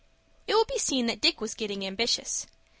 It will be seen that Dick was getting ambitious.